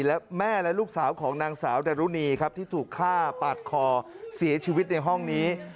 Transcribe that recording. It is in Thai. และแม่และลูกสาวของนางสาวดารุณีครับที่ถูกฆ่าปาดคอเสียชีวิตในห้องนี้